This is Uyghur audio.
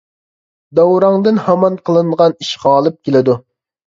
داۋراڭدىن ھامان قىلىنغان ئىش غالىپ كېلىدۇ.